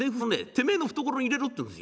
てめえの懐に入れろっていうんですよ。